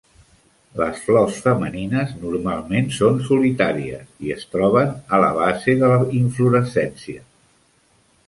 Les flors femenines normalment són solitàries i es troben a la base de la inflorescència.